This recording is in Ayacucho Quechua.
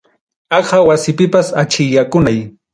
Aqa wasipipas achikyakunay.